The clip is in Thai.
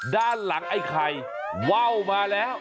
ด้านหลังไอ้ไข่ว่าวมาแล้ว